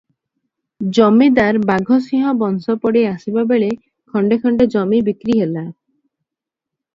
ଜମିଦାର ବାଘ ସିଂହ ବଂଶ ପଡ଼ି ଆସିବାବେଳେ ଖଣ୍ତେ ଖଣ୍ତେ ଜମି ବିକ୍ରି ହେଲା ।